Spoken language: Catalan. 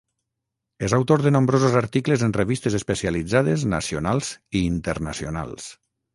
És autor de nombrosos articles en revistes especialitzades nacionals i internacionals.